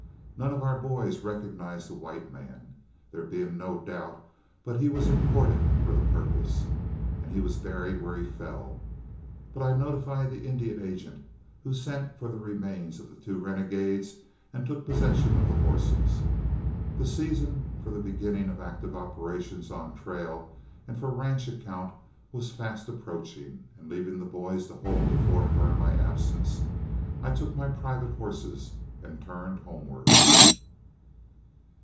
None of our boys recognized the white man, there being no doubt but he was imported for the purpose, and he was buried where he fell; but I notified the Indian agent, who sent for the remains of the two renegades and took possession of the horses. The season for the beginning of active operations on trail and for ranch account was fast approaching, and, leaving the boys to hold the fort during my absence, I took my private horses and turned homeward.